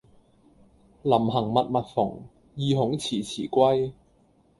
臨行密密縫，意恐遲遲歸。